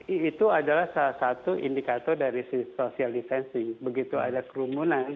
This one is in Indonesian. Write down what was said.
itu adalah salah satu indikator dari social distancing